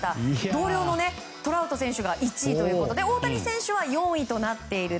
同僚のトラウト選手が１位ということで大谷選手は４位となっている。